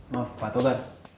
maaf pak toga